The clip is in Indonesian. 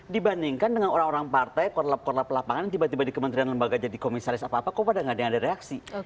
dibandingkan dengan orang orang partai korlap korlap lapangan tiba tiba di kementerian lembaga jadi komisaris apa apa kok pada nggak ada yang ada reaksi